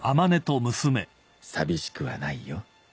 寂しくはないよ。